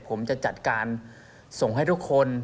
ผมจะจัดการส่งให้ทุกคน